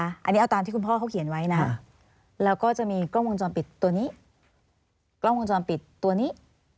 อันนี้เอาตามที่คุณพ่อเขาเขียนไว้นะแล้วก็จะมีกล้องวงจรปิดตัวนี้